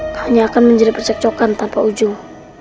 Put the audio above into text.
hanya akan menjadi percekcokan tanpa ujung